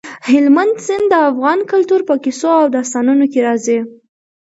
هلمند سیند د افغان کلتور په کیسو او داستانونو کې راځي.